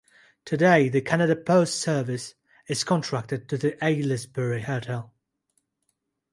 Today the Canada Post service is contracted to the Aylesbury Hotel.